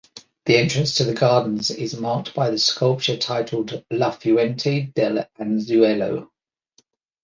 The entrance to the gardens is marked by the sculpture titled “La Fuente del Anzuelo”.